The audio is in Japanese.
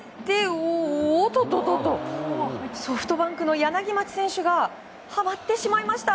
おっとっとっとソフトバンクの柳町選手がはまってしまいました。